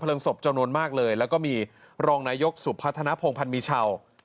ศพจำนวนมากเลยแล้วก็มีรองนายกสุพัฒนภงพันมีเช่า